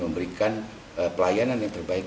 memberikan pelayanan yang terbaik